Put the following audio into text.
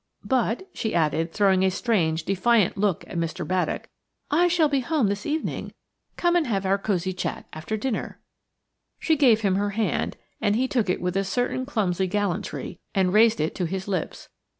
But," she added, throwing a strange, defiant look at Mr. Baddock, "I shall be at home this evening; come and have our cosy chat after dinner." She gave him her hand, and he took it with a certain clumsy gallantry and raised it to his lips.